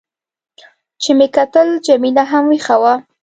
چې مې کتل، جميله هم وېښه وه.